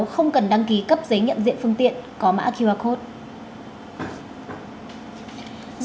không cần đăng ký cấp giấy nhận diện phương tiện có mã qr code